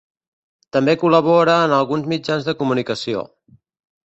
També col·labora en alguns mitjans de comunicació.